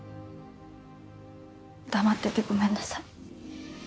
黙っててごめんなさい。